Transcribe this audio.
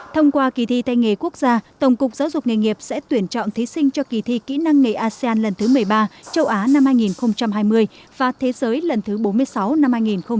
thông qua kỳ thi tay nghề quốc gia tổng cục giáo dục nghề nghiệp sẽ tuyển chọn thí sinh cho kỳ thi kỹ năng nghề asean lần thứ một mươi ba châu á năm hai nghìn hai mươi và thế giới lần thứ bốn mươi sáu năm hai nghìn hai mươi một